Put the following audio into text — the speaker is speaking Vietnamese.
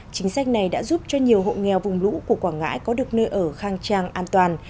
chính sách này đã giúp cho nhiều hộ nghèo vùng lũ của quảng ngãi có được nơi ở khang trang an toàn